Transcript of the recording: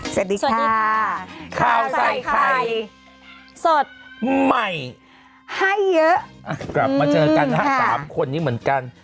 สวัสดีค่ะข้าวใส่ไข่สดใหม่ให้เยอะอ่ะกลับมาเจอกันนะฮะสามคนนี้เหมือนกัน